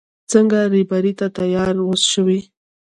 څنګه رېبارۍ ته تيار شوې.